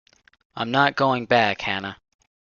I’m not going back, Hannah.